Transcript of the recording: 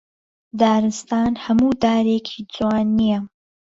دارستان هەموو دارێکی جوان نییە